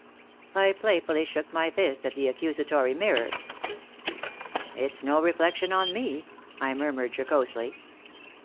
I playfully shook my fist at the accusatory mirror. "It's no reflection on me," I murmured, jocosely.